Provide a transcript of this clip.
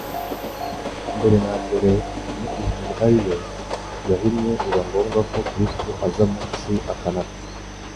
mbere na mbere mu ijuru ari yo yahimye biba ngombwa ko Kristo aza mu isi, akanapfa.